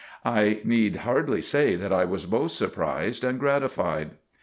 I need hardly say that I was both surprised and gratified.